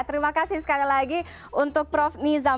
terima kasih sekali lagi untuk prof nizam